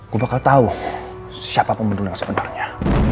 gue bakal tau siapa pembunuhnya sebenarnya